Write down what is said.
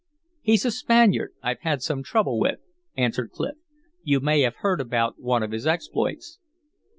"He's a Spaniard I've had some trouble with," answered Clif. "You may have heard about one of his exploits."